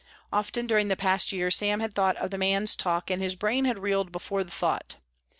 Often during the past year Sam had thought of the man's talk and his brain had reeled before the thought.